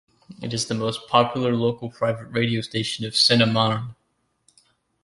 It is the most popular local private radio station of Seine-et-Marne.